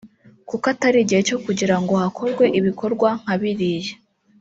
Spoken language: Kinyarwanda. kuko atari gihe cyo kugira ngo hakorwe ibikorwa nka biriya